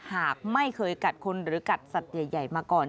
หากไม่เคยกัดคนหรือกัดสัตว์ใหญ่มาก่อน